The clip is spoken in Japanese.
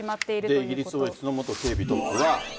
イギリス王室の元警備トップは。